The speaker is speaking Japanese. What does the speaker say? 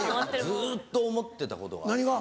ずっと思ってたことが。